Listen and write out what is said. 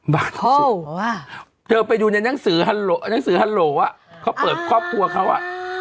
บ้านสุดเธอไปดูในนังสือฮัลโหลเขาเปิดครอบครัวเขาอ่ะ